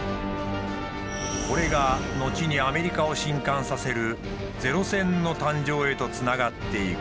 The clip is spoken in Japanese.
これが後にアメリカを震撼させる零戦の誕生へとつながっていく。